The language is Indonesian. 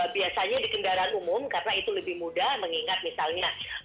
biasanya di kendaraan umum karena itu lebih mudah mengingat misalnya